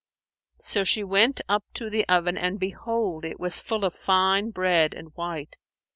So she went up to the oven, and behold, it was full of fine bread and white.